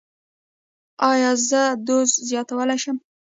ایا زه دوز زیاتولی شم؟